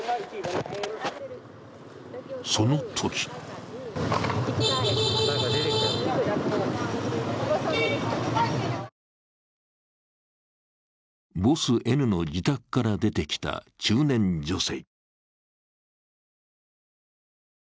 そのときボスＮの自宅から出てきた中年女性。